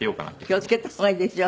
気を付けた方がいいですよ。